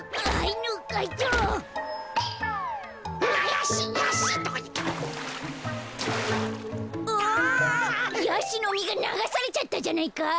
やしのみがながされちゃったじゃないか！